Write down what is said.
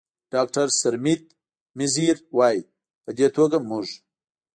ډاکتر سرمید میزیر، وايي: "په دې توګه موږ